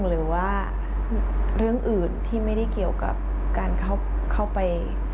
หรือว่าเรื่องอื่นที่ไม่ได้เกี่ยวกับการเข้าไป